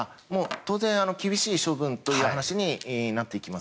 当然、厳しい処分という話になってきます。